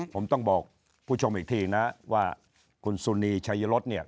ผมต้องบอกผู้ชมอีกทีนะว่าคุณสุนีชัยรสเนี่ย